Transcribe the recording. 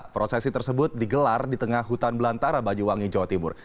prosesi tersebut digelar di tengah hutan belantara banyuwangi jawa timur